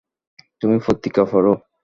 তুমি পত্রিকা পড়ো?